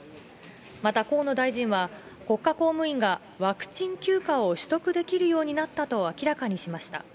また河野大臣は、国家公務員がワクチン休暇を取得できるようになったと明らかにしました。